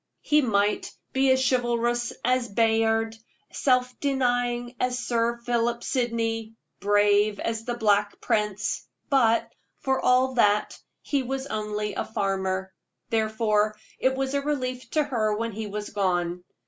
He might be as chivalrous as Bayard, self denying as Sir Philip Sydney, brave as the Black Prince, but, for all that, he was only a farmer. Therefore it was a relief to her when he was gone.